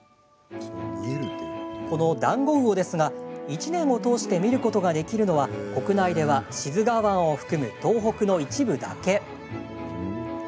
このダンゴウオですが、１年を通して見ることができるのは国内では志津川湾を含む東北の一部だけ。